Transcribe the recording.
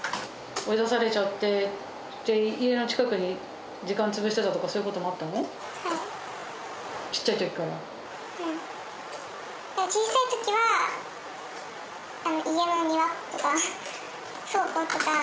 追い出されちゃって、家の近くで時間潰してたとかそういうこともあったの？